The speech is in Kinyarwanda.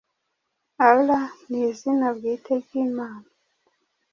Allah ni izina bwite ry’Imana